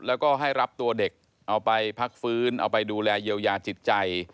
แล้วก็ให้รับตัวเด็กเอาไปพักฟื้นเอาไปดูแลเยียวยาจิตใจ